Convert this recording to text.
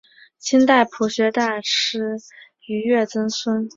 清代朴学大师俞樾曾孙。